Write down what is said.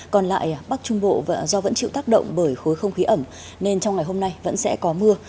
còn lại bắc trung bộ do vẫn chịu tác động bởi khối không khí ẩm nên trong ngày hôm nay vẫn sẽ có mưa